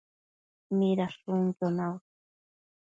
Midashunquio naush?